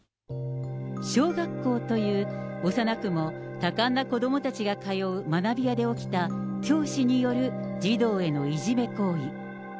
小学校という幼くも多感な子どもたちが通う学びやで起きた教師による児童へのいじめ行為。